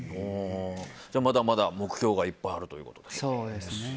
まだまだ目標がいっぱいあるということで。